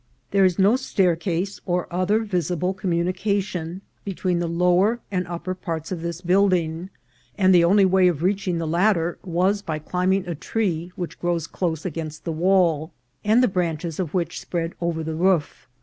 There is no staircase or other visible communication 344 INCIDENTS OF TRAVEL. between the lower and upper parts of this building, and the only way of reaching the latter was by climbing a tree which grows close against the wall, and the branches of which spread over the roof.